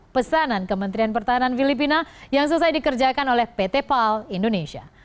pesanan kementerian pertahanan filipina yang selesai dikerjakan oleh pt pal indonesia